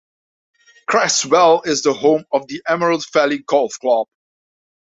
Creswell is the home of the Emerald Valley Golf Club.